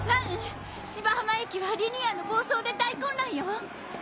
芝浜駅はリニアの暴走で大混乱よ！